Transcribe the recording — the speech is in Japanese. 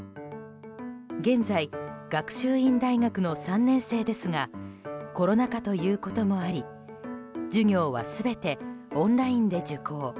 現在、学習院大学の３年生ですがコロナ禍ということもあり授業は全てオンラインで受講。